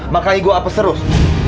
makanya gue apa terus